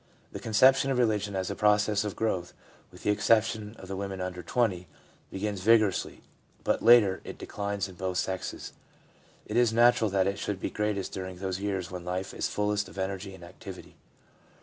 The conception of religion as a process of growth, with the exception of the women under 20, begins vigor ously, but later it declines in both sexes. It is natural that it should be greatest during those years when life is fullest of energy and activity.